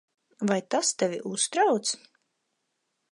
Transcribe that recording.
Vai tas tevi uztrauc?